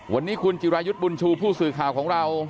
วันนี้คุณจิรายุทธ์บุญชูผู้สื่อข่าวของเรา